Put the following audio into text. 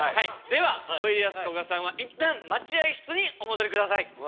ではおいでやすこがさんは一旦待合室にお戻り下さい。